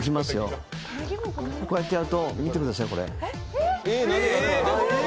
こうやってやると、見てください。